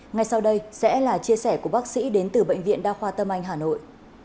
ngay sau đây sẽ là chia sẻ của bác sĩ đến từ bệnh viện đa khoa tâm anh hà nội